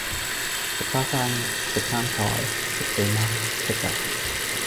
食花生，食生菜，食死貓，食豆腐